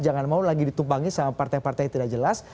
jangan mau lagi ditumpangi sama partai partai yang tidak jelas